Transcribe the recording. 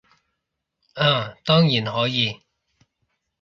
嗯，當然可以